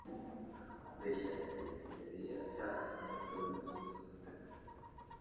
Kubeshya imbere yacu nk'igihugu cy'inzozi pe